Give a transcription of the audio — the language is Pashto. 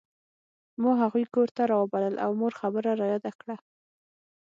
ما هغوی کور ته راوبلل او مور خبره یاده کړه